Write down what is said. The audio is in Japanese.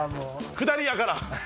下りやから。